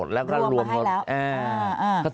แล้วก็รวมมาให้แล้ว